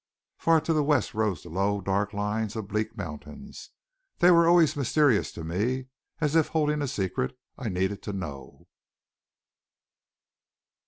Far to the west rose the low, dark lines of bleak mountains. They were always mysterious to me, as if holding a secret I needed to know.